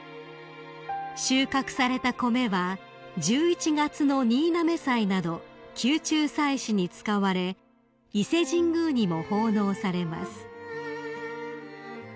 ［収穫された米は１１月の新嘗祭など宮中祭祀に使われ伊勢神宮にも奉納されます］